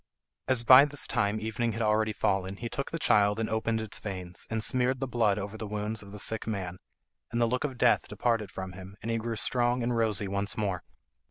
As by this time evening had already fallen he took the child and opened its veins, and smeared the blood over the wounds of the sick man, and the look of death departed from him, and he grew strong and rosy once more.